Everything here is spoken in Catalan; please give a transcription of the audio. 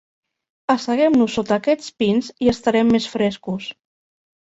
Asseguem-nos sota aquests pins i estarem més frescos.